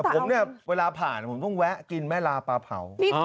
ผมเนี่ยเวลาผ่านผมต้องแวะกินแม่ลาปลาเผา